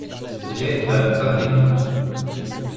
J’ai à vous parler.